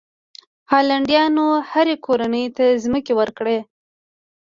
هالنډیانو هرې کورنۍ ته ځمکې ورکړې.